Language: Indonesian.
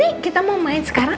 ini kita mau main sekarang